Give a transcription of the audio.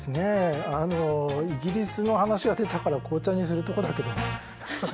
イギリスの話が出たから紅茶にするとこだけど。